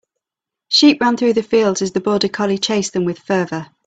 Sheep ran through the fields as the border collie chased them with fervor.